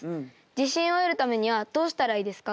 自信を得るためにはどうしたらいいですか？